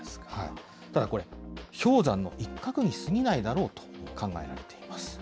ただこれ、氷山の一角にすぎないだろうと考えられています。